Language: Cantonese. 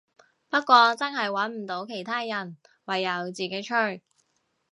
不過真係穩唔到其他人，唯有自己吹